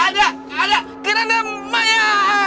ada ada kerendamanya